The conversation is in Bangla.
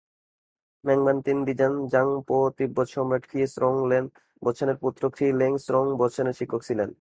ম্যাং-বান-তিং-'দ্জিন-ব্জাং-পো তিব্বত সম্রাট খ্রি-স্রোং-ল্দে-ব্ত্সানের পুত্র খ্রি-ল্দে-স্রোং-ব্ত্সানের শিক্ষক ছিলেন।